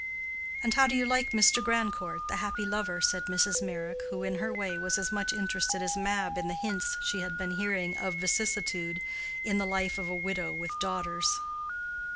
"And how do you like Mr. Grandcourt, the happy lover?" said Mrs. Meyrick, who, in her way, was as much interested as Mab in the hints she had been hearing of vicissitude in the life of a widow with daughters.